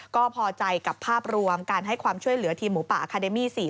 ก็พอใจกับภาพรวมการให้ความช่วยเหลือทีมหมูป่าอาคาเดมี่๔๐